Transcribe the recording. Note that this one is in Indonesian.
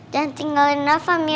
jangan tinggalin raffa mi